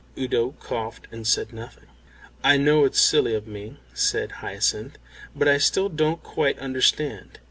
Udo coughed and said nothing. "I know it's silly of me," said Hyacinth, "but I still don't quite understand.